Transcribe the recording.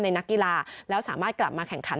นักกีฬาแล้วสามารถกลับมาแข่งขัน